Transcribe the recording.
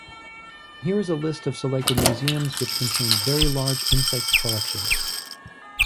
Here is a list of selected museums which contain very large insect collections.